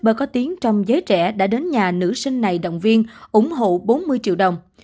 bà có tiếng trong giới trẻ đã đến nhà nữ sinh này động viên ủng hộ bốn mươi triệu đồng